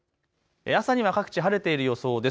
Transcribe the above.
朝には各地晴れている予想です。